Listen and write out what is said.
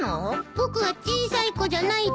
僕は小さい子じゃないです。